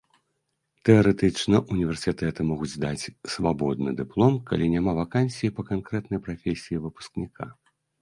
Тэарэтычна ўніверсітэты могуць даць свабодны дыплом, калі няма вакансіі па канкрэтнай прафесіі выпускніка.